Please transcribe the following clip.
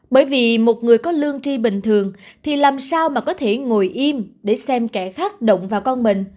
bởi vì một người có lương tri bình thường thì làm sao mà có thể ngồi im để xem kẻ khác động vào con mình